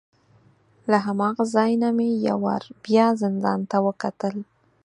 له هماغه ځای نه مې یو وار بیا زندان ته وکتل.